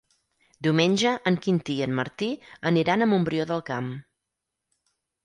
Diumenge en Quintí i en Martí aniran a Montbrió del Camp.